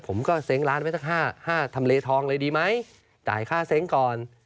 ผมก็เซ้งร้านไว้สักห้าทำเลทองเลยดีไหมจ่ายค่าเซ้งก่อน